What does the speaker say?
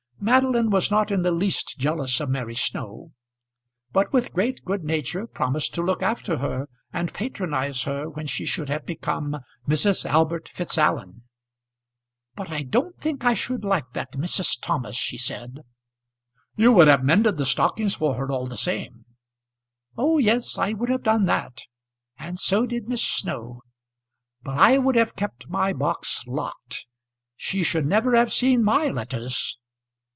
Madeline was not in the least jealous of Mary Snow; but with great good nature promised to look after her, and patronise her when she should have become Mrs. Albert Fitzallen. "But I don't think I should like that Mrs. Thomas," she said. "You would have mended the stockings for her all the same." "O yes, I would have done that; and so did Miss Snow. But I would have kept my box locked. She should never have seen my letters."